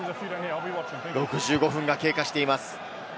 ６５分が経過しています。